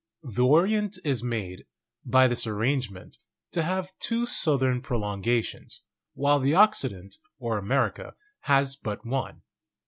The Orient is made, by this arrange ment, to have two southern prolongations, while the Occi dent, or America, has but one.